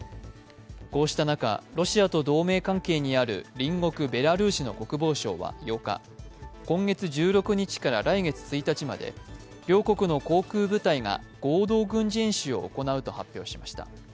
こうした中、ロシアと同盟関係にある隣国ベラルーシの国防省は８日、今月１６日から来月１日まで両国の航空部隊が合同軍事演習を行うと発表しました。